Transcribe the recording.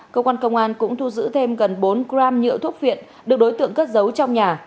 công an công an cũng thu giữ thêm gần bốn gram nhựa thuốc viện được đối tượng cất giấu trong nhà